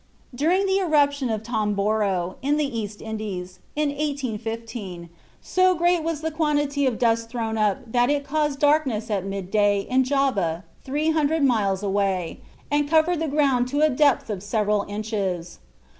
During the eruption of Tomboro, in the East Indies, in 1815, so great was the quantity of dust thrown up that it caused darkness at midday in Java 300 miles away and covered the ground to a depth of several inches.